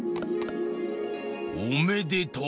おめでとう。